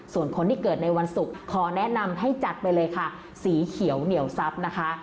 ส่วนคนที่เกิดในวันศุกร์ขอแนะนำให้จัดไปเลยค่ะสีเขียวเหนียวซับนะคะ